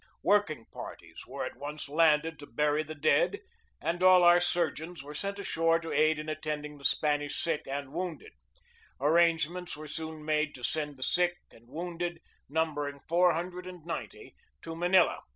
Working parties were at once landed to bury the dead, and all our surgeons were sent ashore to aid in attending the Spanish sick and wounded. Ar 236 GEORGE DEWEY rangements were soon made to send the sick and wounded, numbering four hundred and ninety, to Manila.